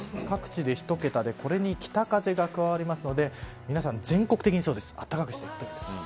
各地で１桁でこれに北風が加わりますので全国的にあったかくしていってください。